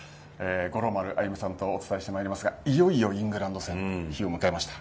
五郎丸歩さんとお伝えしてまいりますがいよいよイングランド戦の日を迎えました。